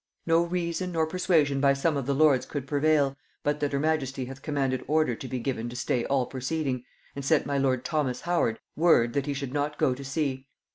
No reason nor persuasion by some of the lords could prevail, but that her majesty hath commanded order to be given to stay all proceeding, and sent my lord Thomas (Howard) word that he should not go to sea.